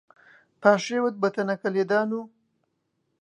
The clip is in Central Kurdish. پاشیوت بە تەنەکەلێدان و